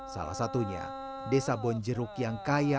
salah satunya desa bonjeruk yang kaya